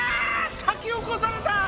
先を越された！